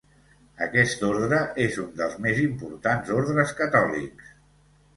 Aquest ordre és un dels més importants ordres catòlics.